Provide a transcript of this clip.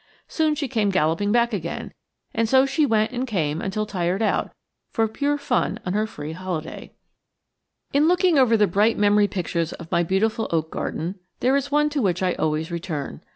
Soon she came galloping back again, and so she went and came until tired out, for pure fun on her free holiday. In looking over the bright memory pictures of my beautiful oak garden, there is one to which I always return.